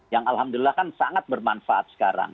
yang alhamdulillah kan sangat bermanfaat sekarang